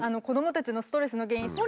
子どもたちのストレスの原因